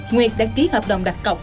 nguyệt đã ký hợp đồng đặt cọc